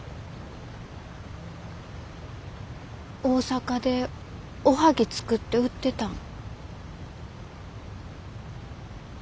大阪でおはぎ作って売ってたん。